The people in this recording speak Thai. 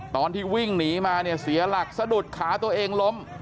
ตอนที่วิ่งหนีมาเนี่ยเสียหลักสะดุดขาตัวเองล้ม